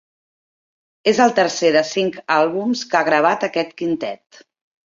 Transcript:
És el tercer de cinc àlbums que ha gravat aquest quintet.